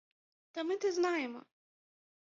Та ми те знаєм.